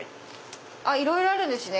いろいろあるんですね。